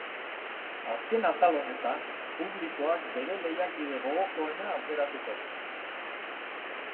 Azken atal honetan, publikoak bere lehiakide gogokoena aukeratuko du.